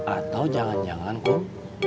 atau jangan jangan kum